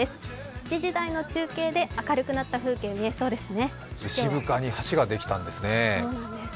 ７時台の中継で明るくなった風景見えそうですね。